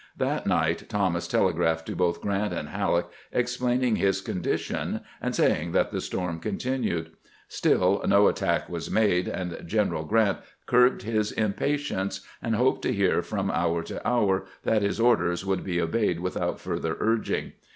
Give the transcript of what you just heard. That night Thomas telegraphed to both Grant and HaUeck, explaining his condition, and saying that the storm continued. Still no attack was made, and General Grant curbed his impatience, and hoped to hear from hour to hour that his orders would 346 CAMPAIGNING WITH GEANT be obeyed without further urging.